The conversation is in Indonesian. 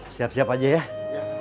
siap siap aja ya